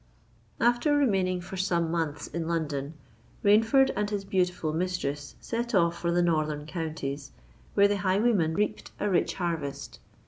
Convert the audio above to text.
After remaining for some months in London, Rainford and his beautiful mistress set off for the northern counties, where the highwayman reaped a rich harvest.